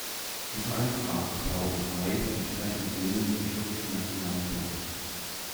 Die Vereinsfarben Blau und Weiß entsprechen denen der schottischen Nationalflagge.